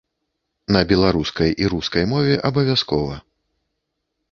На беларускай і рускай мове, абавязкова.